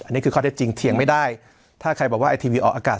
อันนี้คือข้อเท็จจริงเถียงไม่ได้ถ้าใครบอกว่าไอทีวีออกอากาศ